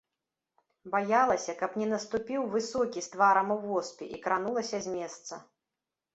Баялася, каб не наступіў высокі з тварам у воспе, і кранулася з месца.